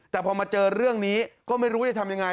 แต่พอมาเจอเรื่องนี้ก็ไม่รู้จะทำยังไง